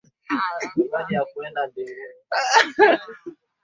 Magonjwa ya aina ya Uviko kumi na tisa